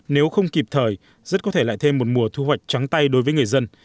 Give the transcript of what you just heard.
nếu không kịp thời rất có thể lại thêm một mùa thu hoạch trắng tay đối với người dân